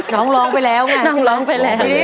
น้องร้องไปแล้วไงน้องร้องไปแล้ว